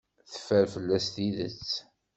Teffer fell-as tidet.